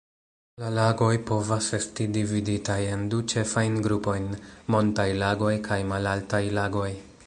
La lagoj povas esti dividitaj en du ĉefajn grupojn: montaj lagoj kaj malaltaj lagoj.